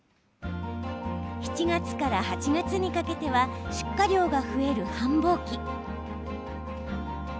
７月から８月にかけては出荷量が増える繁忙期。